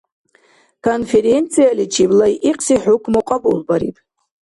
Конффренцияличиб лайикьси хӀукму кьабулбариб.